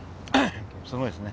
すごいですね。